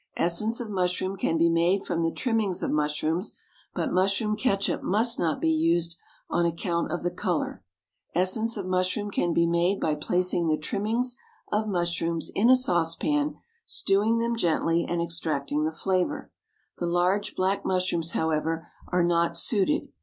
Essence of mushroom can be made from the trimmings of mushrooms, but mushroom ketchup must not be used on account of the colour. Essence of mushroom can be made by placing the trimmings of mushrooms in a saucepan, stewing them gently, and extracting the flavour. The large black mushrooms, however, are not suited.